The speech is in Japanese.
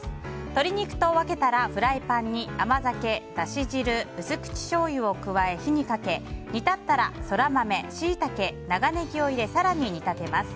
鶏肉と分けたら、フライパンに甘酒、だし汁薄口しょうゆを加え、火にかけ煮立ったら、ソラマメ、シイタケ長ネギを入れ、更に煮立てます。